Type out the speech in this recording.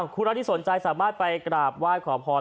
ครูรัฐที่สนใจสามารถไปกราบไหว้ขอพร